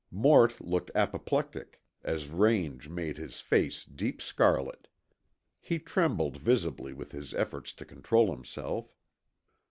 Mort looked apoplectic, as rage made his face deep scarlet. He trembled visibly with his effort to control himself.